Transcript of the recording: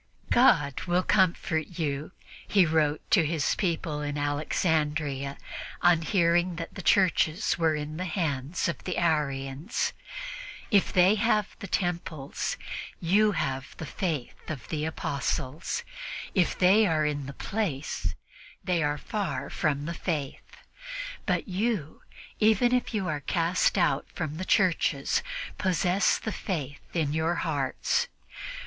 "God will comfort you," he wrote to his people in Alexandria on hearing that the churches were in the hands of the Arians. "If they have the temples, you have the Faith of the Apostles. If they are in the place, they are far from the Faith; but you, even if you are cast out from the churches, possess the Faith in your hearts.